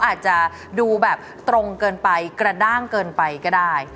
อาจจะดูแบบตรงเกินไปกระด้างเกินไปก็ได้